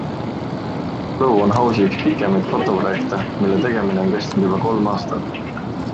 BLOW on Hausi üks pikemaid fotoprojekte, mille tegemine on kestnud juba kolm aastat.